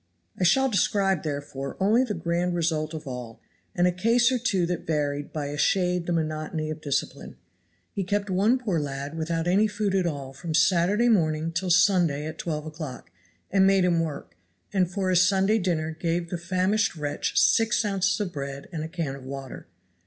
I shall describe therefore only the grand result of all, and a case or two that varied by a shade the monotony of discipline. He kept one poor lad without any food at all from Saturday morning till Sunday at twelve o'clock, and made him work; and for his Sunday dinner gave the famished wretch six ounces of bread and a can of water.